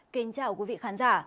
kính chào quý vị khán giả